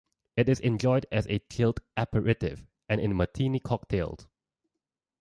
It is enjoyed as a chilled aperitif and in Martini Cocktails.